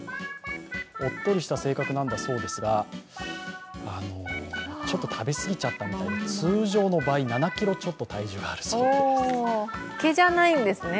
おっとりした生活なんだそうですが、ちょっと食べ過ぎちゃったみたいで通常の倍、７ｋｇちょっと体重があるみたいなんです。